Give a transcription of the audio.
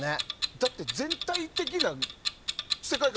だって全体的な世界観